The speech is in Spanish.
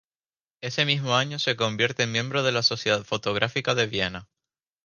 Ese mismo año se convierte en miembro de la Sociedad Fotográfica de Viena.